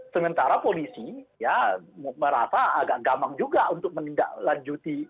sementara polisi merasa agak gamang juga untuk menindaklanjuti